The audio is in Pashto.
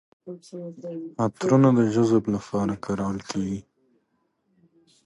عطرونه د جذب لپاره کارول کیږي.